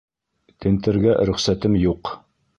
Тентергә рөхсәтем юҡ!